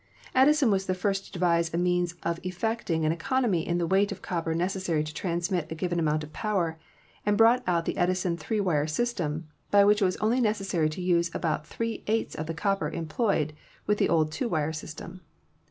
Edison was the first to devise a means of effecting an economy in the weight of copper necessary to transmit a given amount of power, and brought out the Edison 3 wire system, by which it was only necessary to use about three eighths of the copper employed with the old 2 wire sys tem.